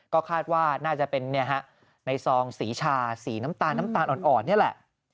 ก็คาดว่าน่าจะเป็นในซองสีชาสีน้ำตาลน้ำตาลอ่อนนี่แหละ